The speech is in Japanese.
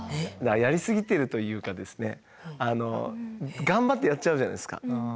やりすぎているというかですね頑張ってやっちゃうじゃないですか。